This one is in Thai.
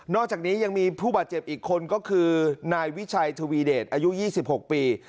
อกจากนี้ยังมีผู้บาดเจ็บอีกคนก็คือนายวิชัยทวีเดชอายุ๒๖ปี